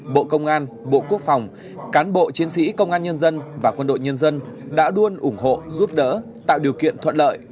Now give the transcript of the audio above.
bộ công an bộ quốc phòng cán bộ chiến sĩ công an nhân dân và quân đội nhân dân đã luôn ủng hộ giúp đỡ tạo điều kiện thuận lợi